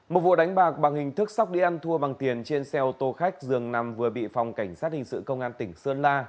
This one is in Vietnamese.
một vụ đánh bạc bằng hình thức sóc đi ăn thua bằng tiền trên xe ô tô khách dường nằm vừa bị phòng cảnh sát hình sự công an tỉnh sơn la